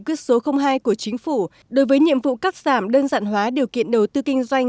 quyết số hai của chính phủ đối với nhiệm vụ cắt giảm đơn giản hóa điều kiện đầu tư kinh doanh